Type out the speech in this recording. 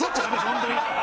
本当に。